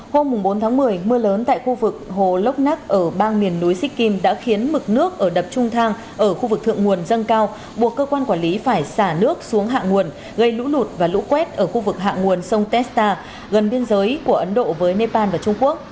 hôm bốn tháng một mươi mưa lớn tại khu vực hồ lốc nắc ở bang miền núi sikkim đã khiến mực nước ở đập trung thang ở khu vực thượng nguồn dâng cao buộc cơ quan quản lý phải xả nước xuống hạ nguồn gây lũ lụt và lũ quét ở khu vực hạ nguồn sông testa gần biên giới của ấn độ với nepal và trung quốc